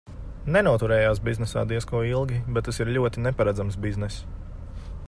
Nenoturējās biznesā diez ko ilgi, bet tas ir ļoti neparedzams bizness.